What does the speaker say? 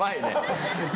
確かに。